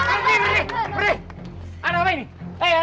bayi furthermore kamu kembali ke situ ayo